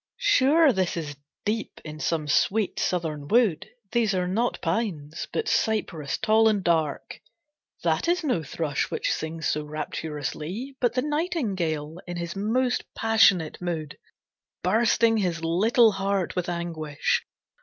Sure this is deep in some sweet, southern wood, These are not pines, but cypress tall and dark; That is no thrush which sings so rapturously, But the nightingale in his most passionate mood Bursting his little heart with anguish.